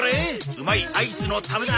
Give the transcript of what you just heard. うまいアイスのためだ。